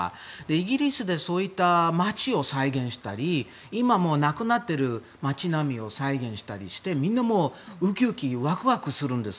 イギリスでそういった街を再現したり今もうなくなっている街並みを再現したりしてみんなもうウキウキワクワクするんです。